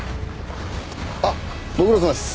あっご苦労さまです。